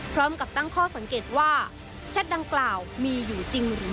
พร้อมกับตั้งข้อสังเกตว่าแชทดังกล่าวมีอยู่จริงหรือ